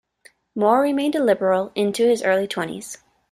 Moore remained a Liberal into his early twenties.